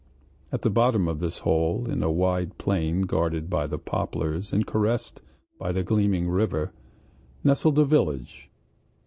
At the bottom of this hole, in a wide plain guarded by the poplars and caressed by the gleaming river, nestled a village.